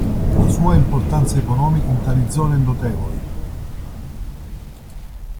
La sua importanza economica in tali zone è notevole.